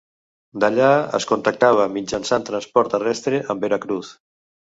D'allà es contactava mitjançant transport terrestre amb Veracruz.